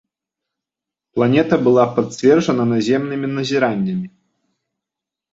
Планета была пацверджана наземнымі назіраннямі.